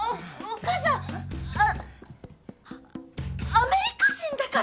アメリカ人だから。